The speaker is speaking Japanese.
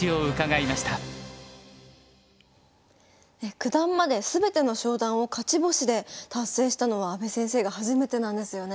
九段まで全ての昇段を勝ち星で達成したのは阿部先生が初めてなんですよね。